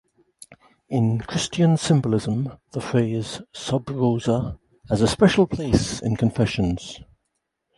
In Christian symbolism, the phrase "sub rosa" has a special place in confessions.